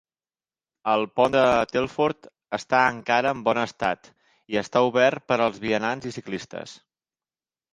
El pont de Telford està encara en bon estat, i està obert per als vianants i ciclistes.